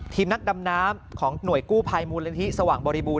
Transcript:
นักดำน้ำของหน่วยกู้ภัยมูลนิธิสว่างบริบูร